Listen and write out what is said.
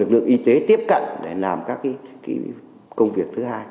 lực lượng y tế tiếp cận để làm các công việc thứ hai